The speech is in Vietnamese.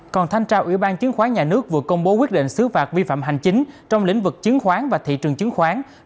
còn thanh tra ủy ban chứng khoán nhà nước vừa công bố quyết định xứ phạt vi phạm hành chính trong lĩnh vực chứng khoán và thị trường chứng khoán